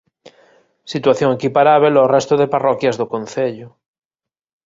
Situación equiparábel ao resto de parroquias do concello.